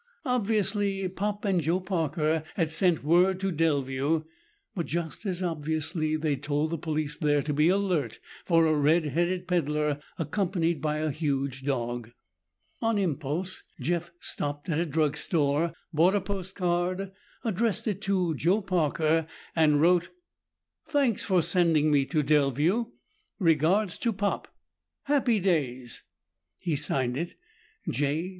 Obviously, Pop and Joe Parker had sent word to Delview, but just as obviously they'd told the police there to be alert for a red headed peddler accompanied by a huge dog. On impulse, Jeff stopped at a drugstore, bought a postcard, addressed it to Joe Parker, and wrote, "Thanks for sending me to Delview. Regards to Pop. Happy days." He signed it J.